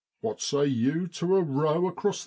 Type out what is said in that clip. What say you to a row across the Broad?'